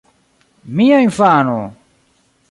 Mia infano!